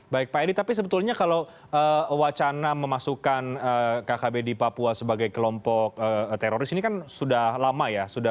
baik pak edi tapi sebetulnya kalau wacana memasukkan kkb di papua sebagai kelompok teroris ini kan sudah lama ya